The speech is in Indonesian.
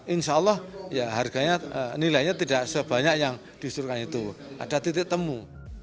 insya allah ya harganya nilainya tidak sebanyak yang disuruhkan itu ada titik temu